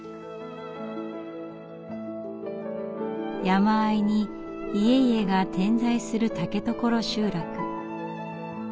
山あいに家々が点在する竹所集落。